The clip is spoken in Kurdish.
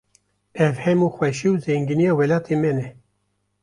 Ev hemû xweşî û zengîniya welatê me ne.